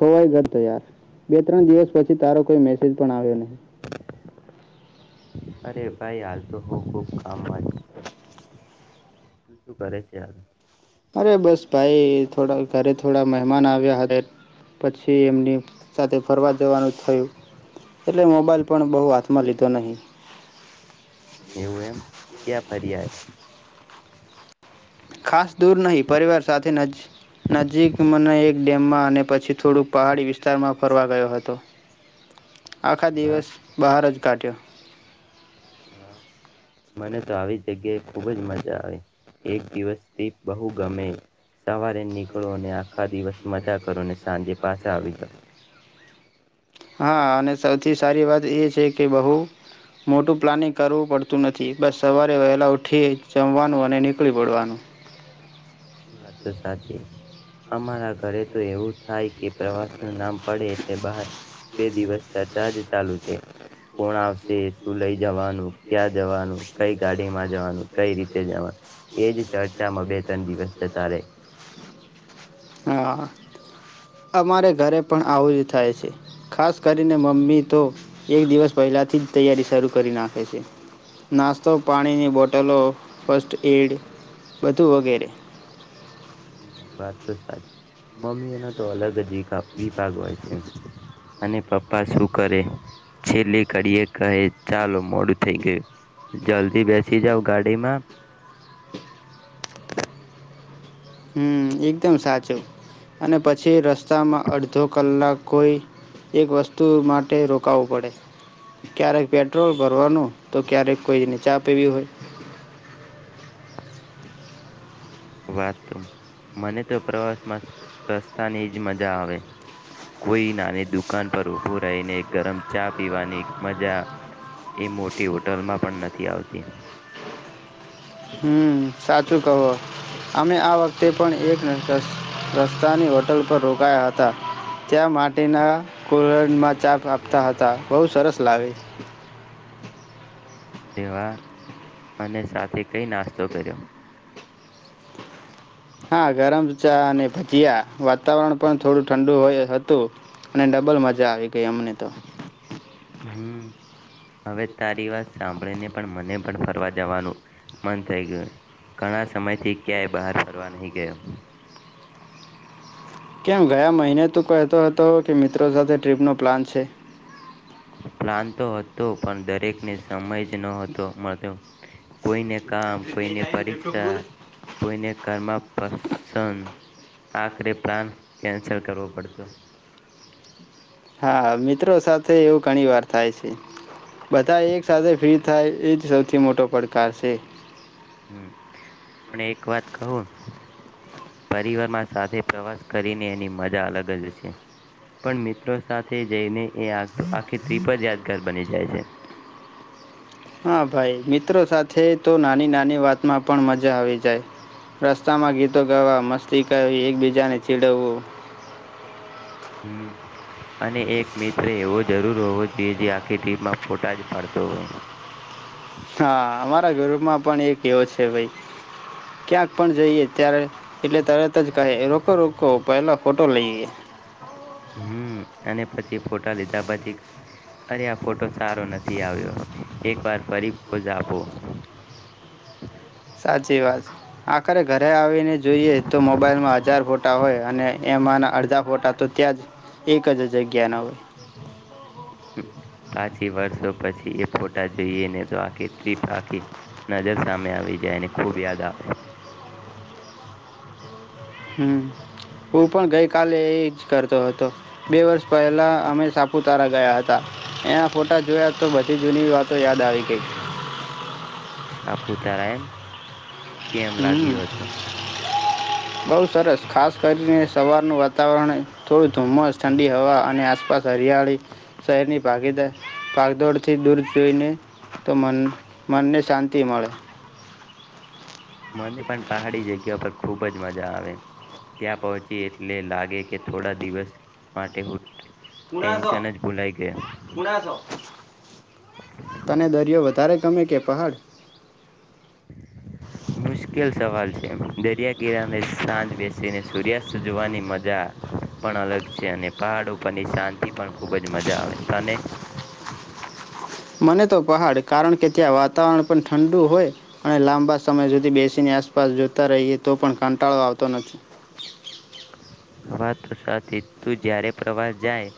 ખોવાઈ ગયો તો યાર બે ત્રણ દિવસ પછી તારો કોઈ મેસેજ પણ આવ્યો નહીં અરે ભાઈ હાલ તું ખૂબ ખૂબ કામ માજ તું શું કરે છે યાર અરે બસ ભાઈ થોડા ઘરે થોડા મહેમાન આવ્યા હતા પછી એમની સાથે ફરવા જવાનું થયું એટલે મોબાઈલ પણ બહુ હાથમાં લીધો નહિ એવું એમ ક્યાં ફરિયા ખાસ દૂર નહીં પરિવાર સાથે નજીકના એક ડેમમાં અને પછી થોડુંક પહાડી વિસ્તારમાં ફરવા ગયો હતો આખા વાહ દિવસ બહાર જ કાઢ્યો મને તો આવી જગ્યાએ ખુબ જ મજા આવે એક દિવસથી બહુ ગમે સવારે નીકળો અને આખા દિવસ મજા કરો ને સાંજે પાછા આવી જાવ હા અને સૌથી સારી વાત એ છે કે બહુ મોટું પ્લાનિંગ કરવું પડતું નથી બસ સવારે વહેલા ઉઠી જમવાનું અને નીકળી પડવાનું વાત તોસાચી અમારા ઘરે તો એવું થાય કે પ્રવાસ નું નામ પડે એ બહાર બે દિવસ ચર્ચા જ ચાલુ છે કોણ આવશે શું લઈ જવાનું ક્યાં જવાનું કઈ ગાડીમાં જવાનું કઈ રીતે જવાનું એજ ચર્ચામાં બે ત્રણ દિવસ તારે હા અમારે ઘરે પણ આવું જ થાય છે ખાસ કરીને મમ્મી તો એક દિવસ પહેલાથી જ તૈયારી શરૂ કરી નાખે છે નાસ્તો પાણીની બોટલો ફસ્ટ એડ બધું વગેરે વાત તો સાચી મમ્મી એનો તો અલગ જ વિભાગ હોય છે અને પપ્પા શું કરે છેલ્લી કડીએ કહે ચાલો મોડું થઈ ગયું જલ્દી બેસી જાવ ગાડીમાં હમ એકદમ સાચું અને પછી રસ્તામાં અડધો કલાક કોઈ એક વસ્તુ માટે રોકાવું પડે ક્યારેક પેટ્રોલ ભરવાનું તો ક્યારેક કોઈને ચા પીવી હોય વાત તો મને તો પ્રવાસમાં રસ્તાની જ મજા આવે કોઈ નાની દુકાન પર ઉભું રહીને ગરમ ચા પીવાની મજા એ મોટી હોટલમાં પણ નથી આવતી હમ સાચું કહો અમે આ વખતે પણ એક રસ્તાની હોટલ પર રોકાયા હતા ત્યાં માટીના કુલડમાં ચા આપતા હતા બહુ સરસ લાવી લેવા અને સાથે કઈ નાસ્તો કર્યો હા ગરમ ચા અને ભજીયા વાતાવરણ પણ થોડું ઠંડુ હોય હતું અને ડબલ મજા આવી ગઈ અમને તો હમ હવે તારી વાત સાંભળીને પણ મને પણ ફરવા જવાનું મન થઈ ગયું ઘણા સમય થી ક્યાંય બહાર ફરવા નહી ગયો કેમ ગયા મહિને તું કહેતો હતો કે મિત્રો સાથે ટ્રીપનો પ્લાન છે પ્લાન તો હતો પણ દરેકને સમય જ ન હતો મળતો કોઈને કામ કોઈની પરીક્ષા કોઈને કરમાં પસન આખરે પ્લાન કેન્સર કરવો પડતો હા મિત્રો સાથે એવું ઘણી વાર થાય છે બધા એક સાથે ફ્રી થાય એ જ સૌથી મોટો પડકાર છે હ પણ એક વાત કહું પરિવારમાં સાથે પ્રવાસ કરીને એની મજા અલગ જ છે પણ મિત્રો સાથે જઈને એ આ તો આખી ટ્રીપ જ યાદગાર બની જાય છે હા ભાઈ મિત્રો સાથે તો નાની નાની વાતમાં પણ મજા આવી જાય રસ્તામાં ગીતો ગાવા મસ્તી કરવી એકબીજાને ચીડવવું હમ અને એક મિત્ર એવો જરૂર હોવો જોઈએ જે આખી ટીમમાં ફોટા જ પાડતો હોય હા અમારા ઘરમાં પણ એક એવો છે ભાઈ ક્યાંક પણ જઈએ ત્યારે એટલે તરત જ કહે રોકો રોકો પહેલો ફોટો લઈએ હમ અને પછી ફોટા લીધા પછી અરે આ ફોટો સારો નથી આવ્યો એક વાર ફરી પોજ આપો સાચી વાત છે આખરે ઘરે આવીને જોઈએ તો મોબાઈલમાં હજાર ફોટા હોય અને એમાંના અડધા ફોટા તો ત્યાં જ એક જ જગ્યાના હોય હુ પાછી વર્ષો પછી એ ફોટા જોઈએને તો આખી ટીપ આખી નજર સામે આવી જાય ખુબ યાદ આવે હમ હું પણ ગઈ કાલે એ જ કરતો હતો બે વર્ષ પહેલા અમે સાપુતારા ગયા હતા એના ફોટા જોયા તો બધી જૂની વાતો યાદ આવી ગઈ છાપૂતારા એમ કેમ હમ લાગ્યું હતું બહુ સરસ ખાસ કરીને સવારનું વાતાવરણ થોડું ધુમ્મસ ઠંડી હવા અને આસપાસ હરિયાળી શહેરની ભાગીદાર ભાગદોડથી દૂર જોઈને તો મન મનને શાંતિ મળે મને પણ પહાડી જગ્યા પર ખુબ જ મજા આવે ત્યાં પહોંચી એટલે લાગે કે થોડા દિવસ માટે હું ટેન્શન જ ભૂલાઈ ગયા તને દરિયો વધારે તમે કે પહાડ મુશ્કેલ સવાલ છે દરિયા કિનારે સાંજ બેસીને સૂર્યાસ્ત જોવાની મજા પણ અલગ છે અને પહાડ ઉપરની શાંતિ પણ ખૂબ જ મજા આવે તને [unintelligible] મને તો પહાડ કારણ કે ત્યાં વાતાવરણ પણ ઠંડુ હોય અને લાંબા લાંબા સમય સુધી બેસીની આસપાસ જોતા રહીએ તો પણ કાંટાળો આવતો નથી વાત તો સાચી તું જયારે પ્રવાસ જાય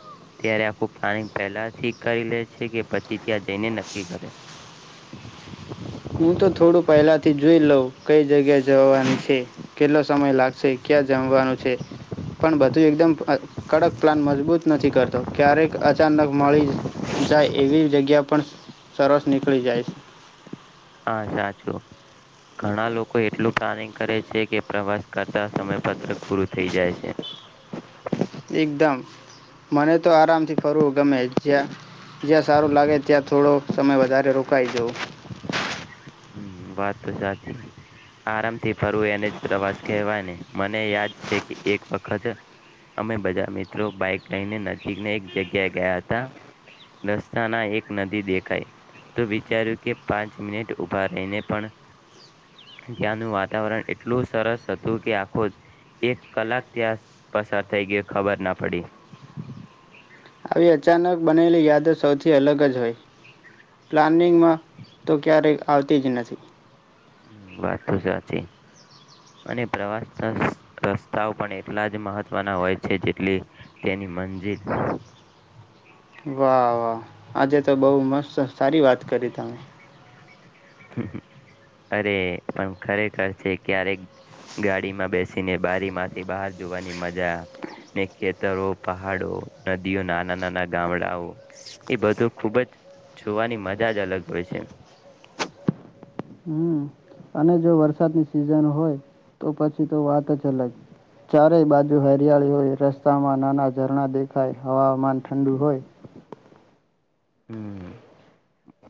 ત્યારે આખું પ્લાનિંગ પહેલાથી કરી લે છે કે પછી ત્યાં જઈને નક્કી કરે હું તો થોડું પહેલાથી જોઈ લઉં કઈ જગ્યા જવાની છે કેટલો સમય લાગશે ક્યાં જમવાનું છે પણ બધું એકદમ કડક પ્લાન મજબૂત નથી કરતો ક્યારેક અચાનક મળી જાય એવી જગ્યા પણ સરસ નીકળી જાય હા સાચું ઘણા લોકો કોઈ એટલું પ્લાનિંગ કરે છે કે પ્રવાસ્ કરતા સમયપત્રક પૂરું થઈ જાય છે છે એકદમ મને તો આરામથી ફરવું ગમે જ્યાં જ્યાં સારું લાગે ત્યાં થોડો સમય વધારે રોકાઈ જવું હમ વાત તો સાચી આરાામથી થી ફરવું એને જ પ્રવાસ કહેવાય ને મને યાદ છે કે એક વખતે અમે બધા મિત્રો બાઈક લઈને નજીકને એક જગ્યાએ ગયા હતા રસ્તાના એક નદી દેખાય તો વિચાર્યું કે પાંચ મિનિટ ઉભા રહીને પણ ત્યાંનું વાતાવરણ એટલું સરસ હતું કે આખું થઈ ગયો ખબર ના પડી આવી અચાનક બનેલી યાદ સૌથી અલગ જ હોય પ્લાનિંગમાં તો ક્યારેય આવતી જ નથી વાત તો સાચી અને પ્રવાસના રસ્તાઓ પણ એટલા જ મહત્વના હોય છે જેટલી તેની મંજિલ વાહ વાહ આજે તો બહ મસ્ત સારી વાત કરી તમે અરે પણ ખરેખર છે ક્યારેક ગાડીમાં બેસીને બારી માંથી બહાર જોવાની મજા ને ખેતરો પહાડો નદીઓ નાના નાના ગામડાઓ એ બધું ખુબ જ જોવાની મજા જ અલગ હોય છે હમ અને જો વરસાદની સિઝન હોય તો પછી તો વાત જ અલગ ચારેય બાજુ હરિયાળી હોય રસ્તામાં નાના ઝરણા દેખાય હવામાન ઠંડુ હોય હમ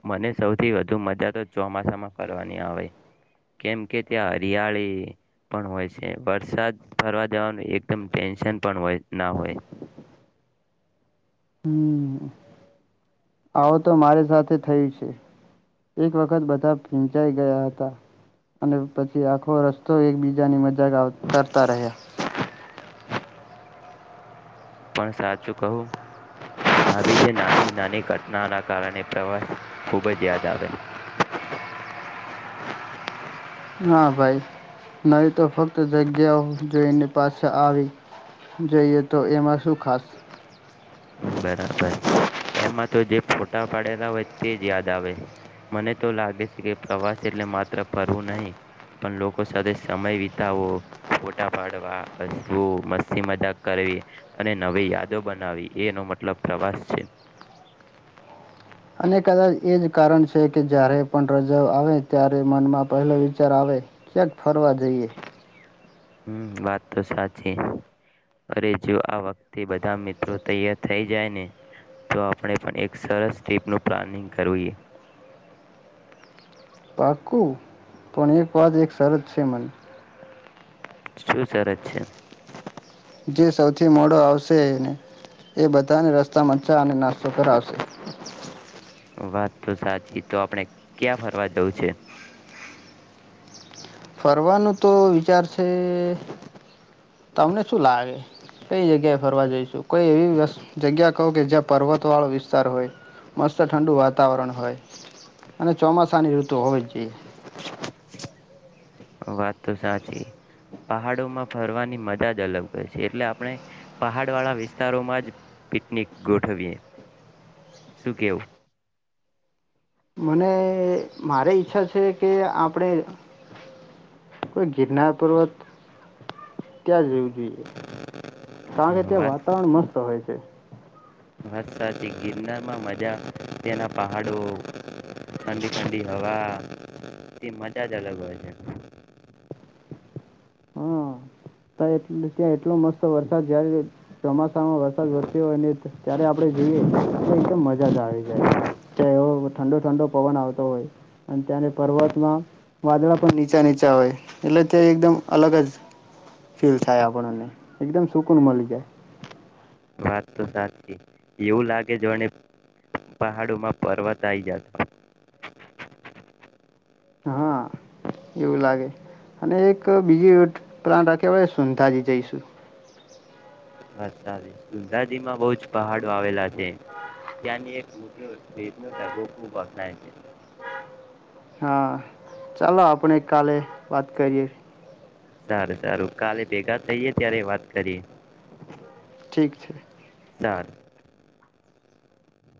મને સૌથી વધુ મજા તો ચોમાસામાં ફરવાની આવે કેમ કે ત્યાં હરિયાળી પણ હોય છે વરસાદ ફરવા જવાનું એકદમ ટેન્શન પણ હો ના હોય હમ આવો તો મારી સાથે થયું છે એક વખત બધા ફિંચાઈ ગયા હતા અને પછી આખો રસ્તો એકબીજાની મજાક ઉતારતા રહ્યા પણ સાચું કહું આવી જ નાની નાની ઘટનાના કારણે પ્રવાસ ખૂબ જ યાદ આવે હા ભાઈ નવી તો ફક્ત જગ્યા જોઈને પાછા આવી જઈએ તો એમાં શું ખાસ બરાબર એમાં તો જે ફોટા પાડેલા હોય તે જ યાદ આવે મને તો લાગે છે કે પ્રવાસ એટલે માત્ર ફરવું નહીિ પણ લોકો સાથે સમય વિતાવવો ફોટા પાડવા હસવું મસ્તી મજાક કરવી અને નવી યાદો બનાવી એનો મતલબ પ્રવાસ છે અને કદાચ એ જ કારણ છે કે જ્યારે પણ રજા આવે ત્યારે મનમાં પહેલો વિચાર આવે ક્યાંક ફરવા જઈએ હમ વાત તો સાચી અરે જો આ વાત તે બધા મિત્રો તૈયાર થઈ જાય ને તો આપણે પણ એક સરસ ટીપનું પ્લાનિંગ કરીએ પાકું પણ એક વાત એક સરત છે મારી શું સરત છે જે સૌથી મોડો આવશે એ બધાને રસ્તા માં ચા અને નાસ્તો કરાવશે વાત તો સાચી તો આપણે ક્યાં ફરવા જવું છે ફરવાનું તો વિચાર છે તમને શું લાગે કઈ જગ્યાએ ફરવા જઈશું કોઈ એવી જગ્યા કહ કે જ્યાં પર્વત વાળો વિસ્તાર હોય મસ્ત ઠંડુ વાતાવરણ હોય અને ચોમાસાની ઋતુ હોવી જ જોઈએ વાત તો સાચી પહાડોમાં ફરવાની મજા જ અલગ હો છે એટલે આપણે પહાડ વાળા વિસ્તારોમાં જ પિકનિક ગોઠવીએ શું કેવું મને મારી ઈચ્છા છે કે આપણેે કોઈ ગિરનાર પર્વત ત્યાં જવું કારણ કે ત્યાં વાત વાતાવરણ મસ્ત હોય છે વાત સાચી ગિરનારમાં મજા તેના પહાડો ઠંડી ઠંડી હવા તે મજા જ અલગ હોય છે. હા એ ત્યાં એટલો મસ્ત વરસાદ જયારે ચોમાસામાં વરસાદ વરસ્યો હોય ત્યારે આપણે જઈએ એટલે એકદમ મજા જ આવી જાય ત્યાં એવો ઠંડો ઠંડો પવન આવતો હોય અને ત્યાંને પર્વતમાં વાદળા પણ નીચા નીચા હોય એટલે ત્યા એકદમ અલગ જ ફીલ થાય આપણને એકદમ સુકૂન મળી જાય. વાત તો સાચી એવું લાગે જો અને પહાડોમાં પર્વત આવી જાતા હા એવું લાગે અને એક બીજી એવી પ્રણતા કેવાય સંધાજી જઈશું. વરસા સુધાજીમાં બહુ જ પહાડો આવેલા છે ત્યાંની એકટલો રેપનો ડગો ખૂબ પકડાય છે. હા ચાલો આપણે કાલે વાત કરીયે. સારું સારું કાલે ભેગા થઈએ ત્યારે વાત કરીએ. ઠીક છે. સારુ